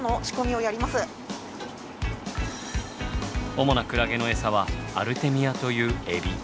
主なクラゲのエサはアルテミアというエビ。